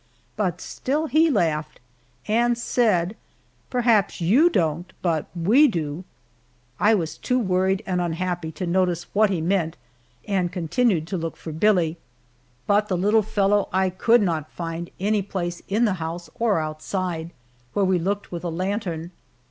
But still he laughed, and said, "Perhaps you don't, but we do." I was too worried and unhappy to notice what he meant, and continued to look for Billie. But the little fellow I could not find any place in the house or outside, where we looked with a lantern.